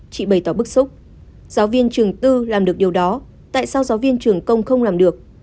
chị bày tỏ bức xúc giáo viên trường tư làm được điều đó tại sao giáo viên trường công không làm được